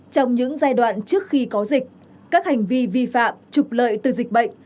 trong những giai đoạn trước khi có dịch các hành vi vi phạm trục lợi từ dịch bệnh